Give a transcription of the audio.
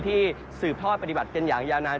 ที่สืบทอดปฏิบัติเป็นอย่างอย่างนั้น